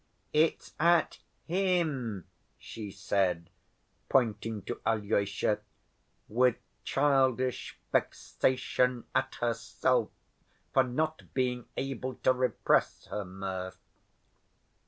"It's at him," she said, pointing to Alyosha, with childish vexation at herself for not being able to repress her mirth.